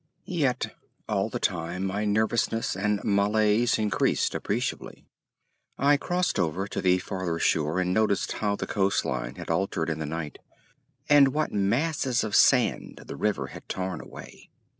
Yet all the time my nervousness and malaise increased appreciably. I crossed over to the farther shore and noted how the coast line had altered in the night, and what masses of sand the river had torn away.